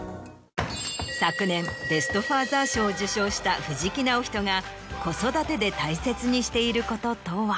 昨年ベスト・ファーザー賞を受賞した藤木直人が子育てで大切にしていることとは？